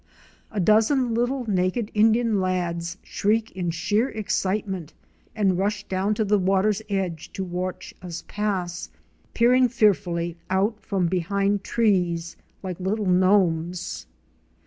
A dozen little naked Indian lads shriek in sheer excitement and rush down to the water's edge to watch us pass, peering fearfully out from behind trees like little gnomes.